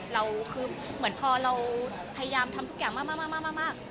เราคือเหมือนพอเราพยายามทำทุกอย่างมาก